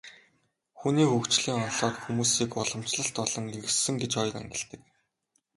Хүний хөгжлийн онолоор хүмүүсийг уламжлалт болон иргэншсэн гэж хоёр ангилдаг.